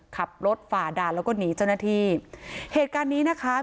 ขับรถฝ่าด่านแล้วก็หนีเจ้าหน้าที่เหตุการณ์นี้นะคะ